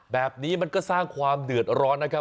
แบบนี้มันก็สร้างความเดือดร้อนนะครับ